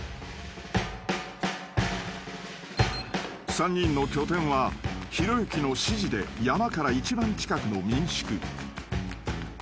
［３人の拠点はひろゆきの指示で山から一番近くの民宿］